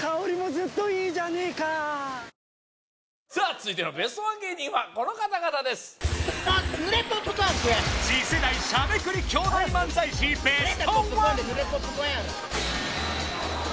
続いてのベストワン芸人はこの方々ですベストワン！